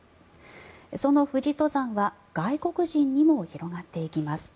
その富士登山は外国人にも広がっていきます。